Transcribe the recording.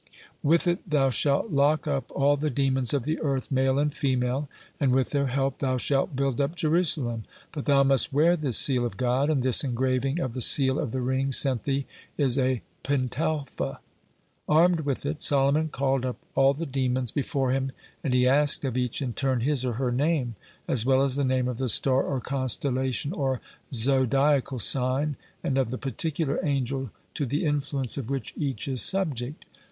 With it thou shalt lock up all the demons of the earth, male and female; and with their help thou shalt build up Jerusalem. But thou must wear this seal of God; and this engraving of the seal of the ring sent thee is a Pentalpha." (54) Armed with it, Solomon called up all the demons before him, and he asked of each in turn his or her name, as well as the name of the star or constellation or zodiacal sign and of the particular angel to the influence of which each is subject.